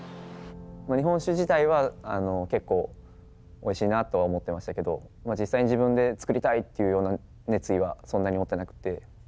日本酒自体は結構おいしいなとは思ってましたけど実際に自分で造りたいっていうような熱意はそんなに持ってなくって。